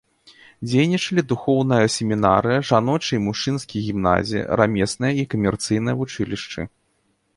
Дзейнічалі духоўная семінарыя, жаночыя і мужчынскія гімназіі, рамеснае і камерцыйнае вучылішчы.